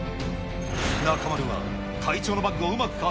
中丸は会長のバッグをうまくかわ